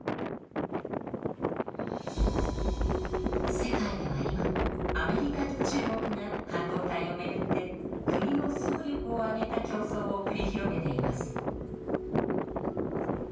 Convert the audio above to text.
世界では今アメリカと中国が半導体を巡って国の総力を挙げた競争を繰り広げています。